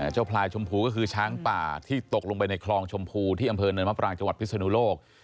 พลายชมพูก็คือช้างป่าที่ตกลงไปในคลองชมพูที่อำเภอเนินมะปรางจังหวัดพิศนุโลก